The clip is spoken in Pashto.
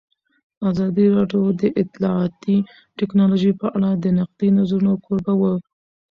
ازادي راډیو د اطلاعاتی تکنالوژي په اړه د نقدي نظرونو کوربه وه.